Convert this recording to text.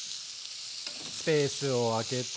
スペースを空けて。